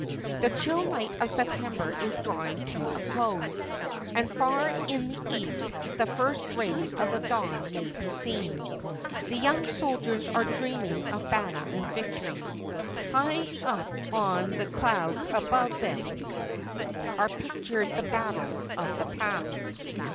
The chill night of September is drawing to a close, and far in the east the first rays of the dawn may be seen. The young soldiers are dreaming of battle and victory. High up on the clouds above them are pictured the battles of the past.